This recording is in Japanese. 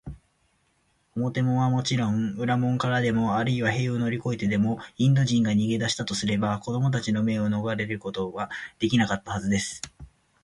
表門はもちろん、裏門からでも、あるいは塀を乗りこえてでも、インド人が逃げだしたとすれば、子どもたちの目をのがれることはできなかったはずです。